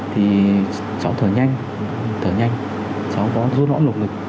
thì cháu thở nhanh cháu có rút lõm lục lực